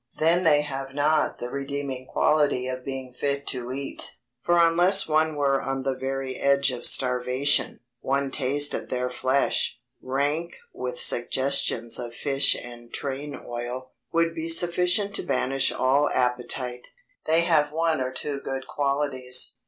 Then they have not the redeeming quality of being fit to eat; for unless one were on the very edge of starvation, one taste of their flesh, rank with suggestions of fish and train oil, would be sufficient to banish all appetite. They have one or two good qualities.